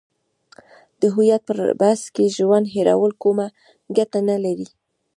د هویت پر بحث کې ژوند هیرول کومه ګټه نه لري.